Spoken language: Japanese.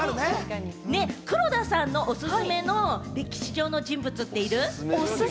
黒田さんのおすすめの歴史上の人物っている？